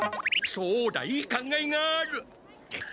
そうだいい考えがある。